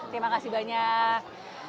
terima kasih banyak